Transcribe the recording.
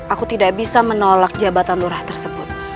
aku tidak bisa menolak jabatan lurah tersebut